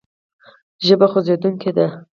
ژبه خوځېدونکې ده.